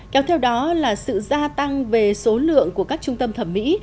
kéo theo đó là sự gia tăng về số lượng của các trung tâm thẩm mỹ